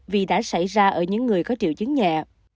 vì đã xảy ra ở những người có triệu chứng nhẹ